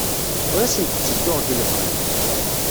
Ur asent-ttedduɣ deg lebɣi.